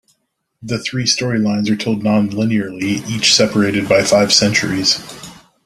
The three story lines are told nonlinearly, each separated by five centuries.